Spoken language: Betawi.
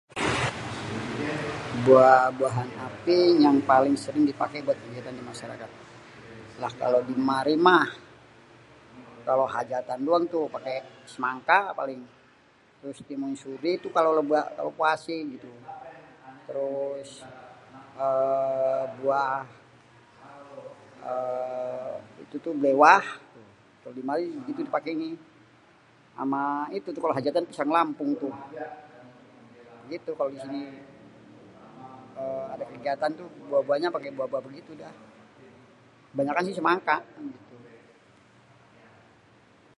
"""Buah-buahan apé yang paling sering di paké kegiatan di masyarakat?"". Lah kalo di mari, mah kalo hajatan doang tuh paké semangka paling, terus timun suri itu kalo puasé gitu, terus buah bléwah kalo di mari itu dipakenyé, ama itu tu kalo hajatan tu pisang lampung tu. Begitu kalo misalnyé di sini ada kegiatan tu buah-buannya paké buah-buahan gitu dah. Banyakan sih semangka gitu."